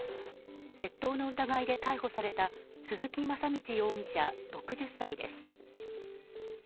窃盗の疑いで逮捕された鈴木正道容疑者、６０歳です。